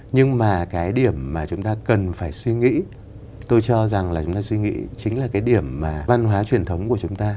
nhưng mà cái điểm mà chúng ta cần phải suy nghĩ tôi cho rằng là chúng ta suy nghĩ chính là cái điểm mà văn hóa truyền thống của chúng ta